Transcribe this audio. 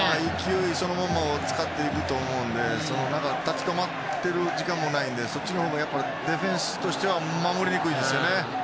勢いをそのまま使っていくと思うので立ち止まってる時間もないのでそっちのほうがディフェンスとしては守りにくいですよね。